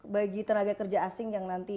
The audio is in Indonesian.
bagi tenaga kerja asing yang nanti